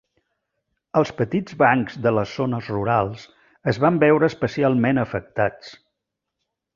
Els petits bancs de les zones rurals es van veure especialment afectats.